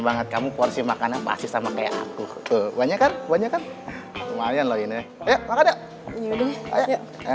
banget kamu porsi makanan pasti sama kayak aku tuh banyak banyak lumayan loh ini ya